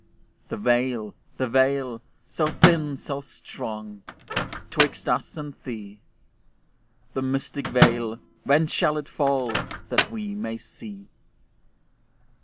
The veil! the veil! so thin, so strong! 'Twixt us and thee; The mystic veil! when shall it fall, That we may see?